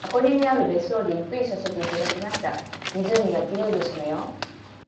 箱根にある別荘でゆっくりさせていただきました。湖が綺麗ですのよ